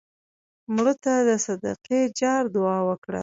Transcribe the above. مړه ته د صدقې جار دعا وکړه